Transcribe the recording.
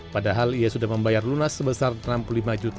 padahal ia sudah membayar lunas sebesar rp enam puluh lima juta